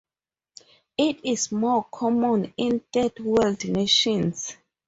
It is more common in third-world nations.